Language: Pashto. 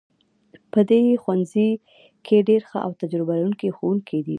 په دې ښوونځي کې ډیر ښه او تجربه لرونکي ښوونکي دي